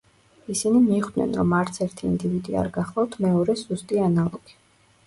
ისინი მიხვდნენ, რომ არცერთი ინდივიდი არ გახლავთ მეორეს ზუსტი ანალოგი.